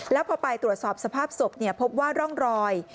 แล้วพอไปตรวจสอบสภาพศพพบว่าร่องรอย